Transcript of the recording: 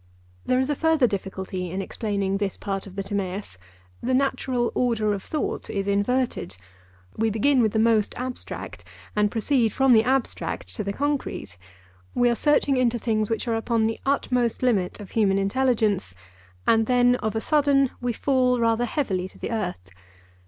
There is a further difficulty in explaining this part of the Timaeus—the natural order of thought is inverted. We begin with the most abstract, and proceed from the abstract to the concrete. We are searching into things which are upon the utmost limit of human intelligence, and then of a sudden we fall rather heavily to the earth.